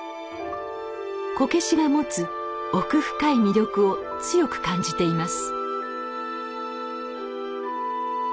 こけしが持つ奥深い魅力を強く感じています